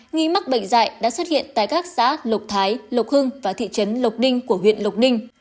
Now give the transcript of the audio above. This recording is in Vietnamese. nghi mắc bệnh dạy đã xuất hiện tại các xã lộc thái lộc hưng và thị trấn lộc ninh của huyện lộc ninh